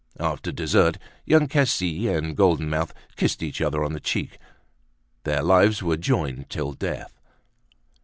After desert Young Cassis and Golden Mouth kissed each other on the cheek. Their lives were joined till death.